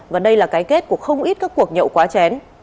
và đây là cái kết của không ít các cuộc nhậu quá chén